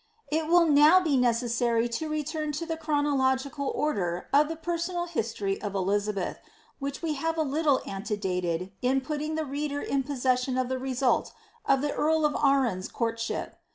It will now be necessary to return to the chronological order of the personal history of Elizabeth^ which we have a little antedated, in put ting the reader in possession of the result of the earl of Arran's court ship.